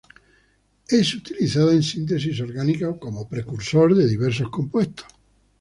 Es utilizada en síntesis orgánica como precursor de diversos compuestos.